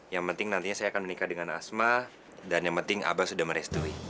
yang penting nantinya saya akan menikah dengan asma dan yang penting abah sudah merestui